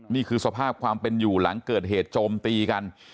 นี่คือสภาพความเป็นอยู่หลังเกิดเหตุโจมตีกัน